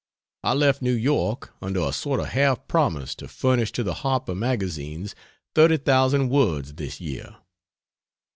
I left New York under a sort of half promise to furnish to the Harper magazines 30,000 words this year.